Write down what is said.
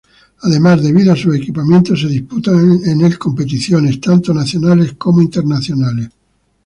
Además, debido a sus equipamientos, se disputan en el competiciones tanto nacionales como internacionales.